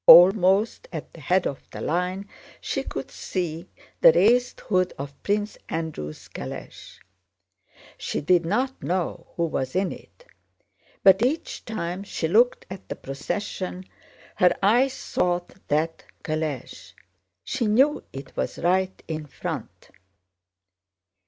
Almost at the head of the line she could see the raised hood of Prince Andrew's calèche. She did not know who was in it, but each time she looked at the procession her eyes sought that calèche. She knew it was right in front.